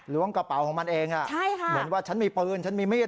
ล้วงกระเป๋าของมันเองอ่ะใช่ค่ะเหมือนว่าฉันมีปืนฉันมีมีดนะ